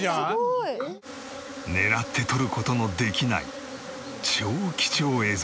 狙って撮る事のできない超貴重映像。